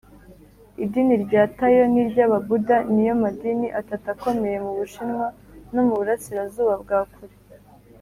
idini rya tao, n’iry’ababuda ni yo madini atatu akomeye mu bushinwa no mu burasirazuba bwa kure.